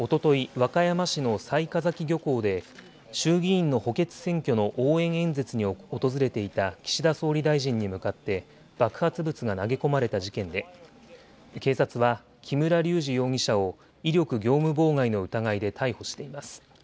和歌山市の雑賀崎漁港で衆議院の補欠選挙の応援演説に訪れていた岸田総理大臣に向かって爆発物が投げ込まれた事件で警察は木村隆二容疑者を威力業務妨害の疑いで逮捕しています。